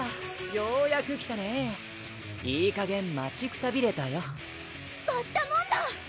ようやく来たねいいかげん待ちくたびれたよバッタモンダー！